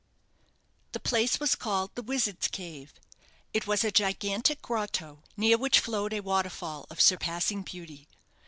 The place was called the Wizard's Cave. It was a gigantic grotto, near which flowed a waterfall of surpassing beauty.